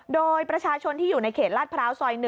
โดยประชาชนที่อยู่ในเขตลาดพร้าวซอย๑